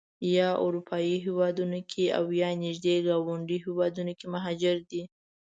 یا اروپایي هېوادونو کې او یا نږدې ګاونډیو هېوادونو کې مهاجر دي.